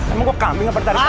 emang kamu gak bertarik